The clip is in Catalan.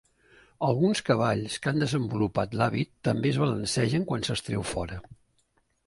Alguns cavalls que han desenvolupat l'hàbit també es balancegen quan se'ls treu fora.